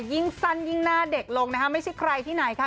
ยิ่งสั้นยิ่งหน้าเด็กลงนะคะไม่ใช่ใครที่ไหนค่ะ